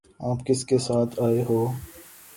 آپ کس کے ساتھ آئے ہو؟